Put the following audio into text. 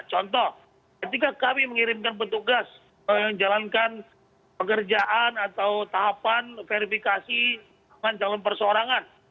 contoh ketika kami mengirimkan petugas menjalankan pekerjaan atau tahapan verifikasi calon perseorangan